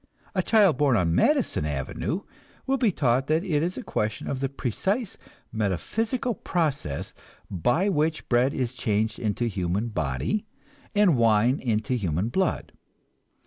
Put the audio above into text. A child born on Madison Avenue will be taught that it is a question of the precise metaphysical process by which bread is changed into human body and wine into human blood.